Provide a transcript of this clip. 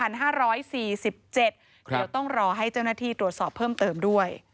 เดี๋ยวต้องรอให้เจ้าหน้าที่ตรวจสอบเพิ่มเติมด้วย